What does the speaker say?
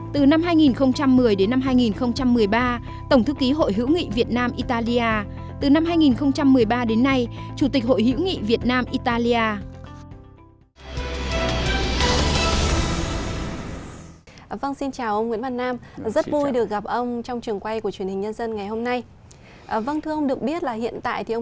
từ năm hai nghìn một mươi hai nghìn một mươi ba tổng thư ký hội hữu nghị việt nam italia